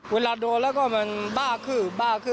เวลาโดนแล้วเป็นบ้าครึ่ง